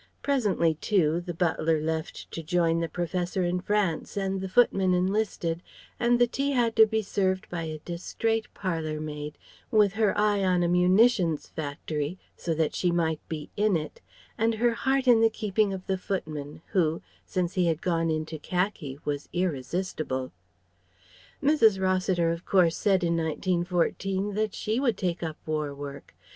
Presently, too, the butler left to join the Professor in France and the footman enlisted, and the tea had to be served by a distraite parlour maid, with her eye on a munitions factory so that she might be "in it" and her heart in the keeping of the footman, who, since he had gone into khaki, was irresistible. Mrs. Rossiter of course said, in 1914, that she would take up war work.